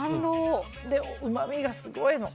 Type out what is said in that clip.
うまみがすごいの。